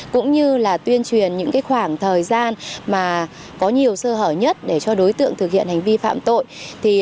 cũng như là tuyên truyền những khoảng thời gian mà có nhiều sơ hở nhất để cho đối tượng thực hiện hành vi phạm tội